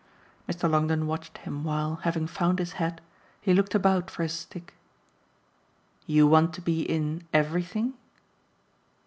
Mr. Longdon watched him while, having found his hat, he looked about for his stick. "You want to be in EVERYTHING?"